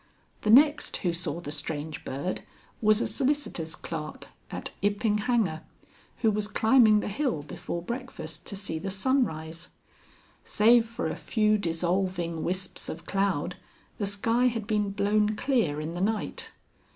The next who saw the Strange Bird was a solicitor's clerk at Iping Hanger, who was climbing the hill before breakfast, to see the sunrise. Save for a few dissolving wisps of cloud the sky had been blown clear in the night.